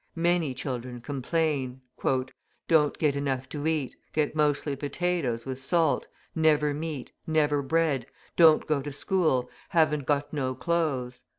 Many children complain: "Don't get enough to eat, get mostly potatoes with salt, never meat, never bread, don't go to school, haven't got no clothes."